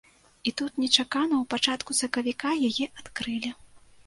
І тут нечакана ў пачатку сакавіка яе адкрылі.